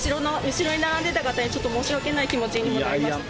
後ろに並んでた方にちょっと申し訳ない気持ちにもなりました。